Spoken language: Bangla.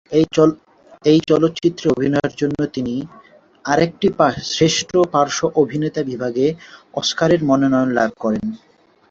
এই চলচ্চিত্রে অভিনয়ের জন্য তিনি আরেকটি শ্রেষ্ঠ পার্শ্ব অভিনেতা বিভাগে অস্কারের মনোনয়ন লাভ করেন।